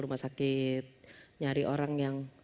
rumah sakit nyari orang yang